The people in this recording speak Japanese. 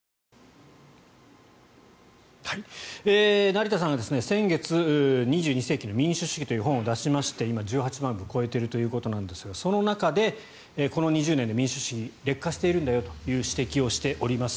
成田さんが先月「２２世紀の民主主義」という本を出しまして今、１８万部を超えているということなんですが、その中でこの２０年で民主主義劣化しているんだよという指摘をしております。